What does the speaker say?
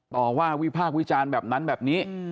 ต่อว่าวิพากษ์วิจารณ์แบบนั้นแบบนี้